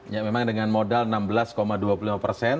ya memang dengan modal enam belas dua puluh lima persen